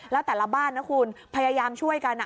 แล้วแต่ละบ้านนะคุณพยายามช่วยกัน